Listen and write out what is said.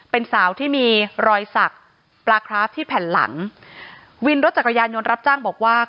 เป็นสาวที่มีรอยสักปลาคราฟที่แผ่นหลังวินรถจักรยานยนต์รับจ้างบอกว่า